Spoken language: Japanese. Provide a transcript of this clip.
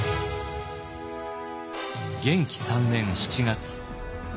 元亀３年７月。